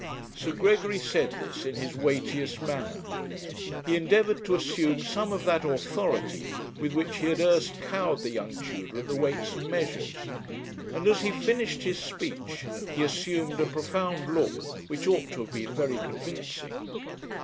Sir Gregory said this in his weightiest manner. He endeavoured to assume some of that authority with which he had erst cowed the young Tudor at the Weights and Measures, and as he finished his speech he assumed a profound look which ought to have been very convincing.